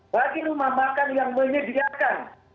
bagi rumah makan yang menyediakan